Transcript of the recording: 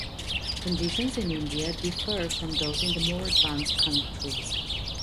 Conditions in India differ from those in the more advanced countries.